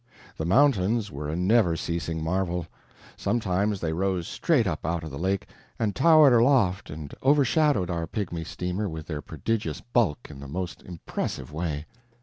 The mountains were a never ceasing marvel. Sometimes they rose straight up out of the lake, and towered aloft and overshadowed our pygmy steamer with their prodigious bulk in the most impressive way.